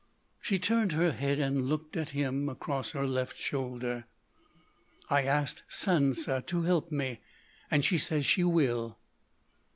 She turned her head and looked at him across her left shoulder. "I asked Sansa to help me.... And she says she will."